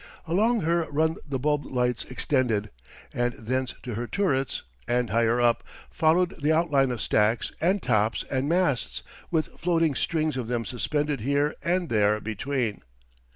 Along her run the bulbed lights extended, and thence to her turrets, and, higher up, followed the outline of stacks and tops and masts, with floating strings of them suspended here and there between.